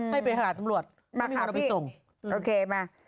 ไม่ไปหาจำรวจไม่มียังไงเอาไปส่ง